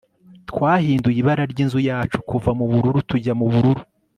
twahinduye ibara ryinzu yacu tuva mubururu tujya mubururu